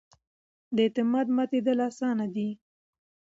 د اعتماد ماتېدل اسانه دي